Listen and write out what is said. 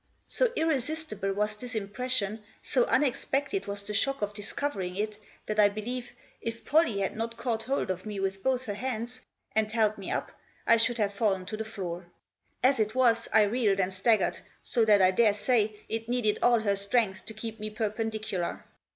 So irresistible was this impression, so unexpected was the shock of discovering it, that I believe, if Pollie had not caught hold of me with both her hands, and held me up, I should have fallen to the floor. As it was I reeled and staggered, so that I daresay it needed all her strength to keep me perpen dicular.